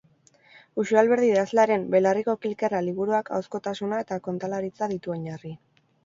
Uxue Alberdi idazlearen "Belarriko kilkerra" liburuak ahozkotasuna eta kontalaritza ditu oinarri.